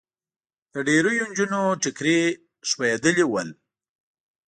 د ډېریو نجونو ټیکري خوېدلي ول.